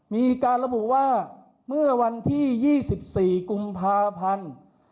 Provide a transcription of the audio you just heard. มีการระบุว่าเมื่อวันที่๒๔กุมภาพันธ์